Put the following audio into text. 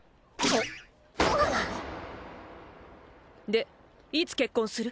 でいつ結婚する？